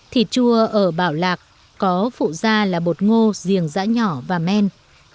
thịt chua ở bảo lạc có phụ gia là bột ngô riêng dã nhỏ và men